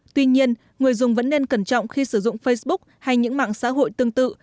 tuy nhiên người dùng vẫn nên cẩn trọng khi sử dụng facebook hay những mạng xã hội tương tự